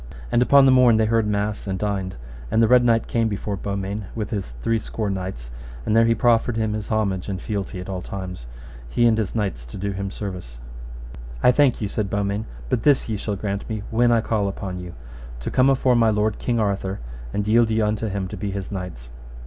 And upon the morn they heard mass and dined, and the Red Knight came before Beaumains with his three score knights, and there he proffered him his homage and fealty at all times, he and his knights to do him service. I thank you, said Beaumains, but this ye shall grant me: when I call upon you, to come afore my lord King Arthur, and yield you unto him to be his knights.